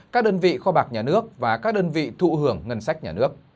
các đơn vị kho bạc nhà nước và các đơn vị thụ hưởng ngân sách nhà nước